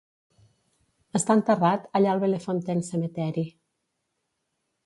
Està enterrat allà al Bellefontaine Cemetery.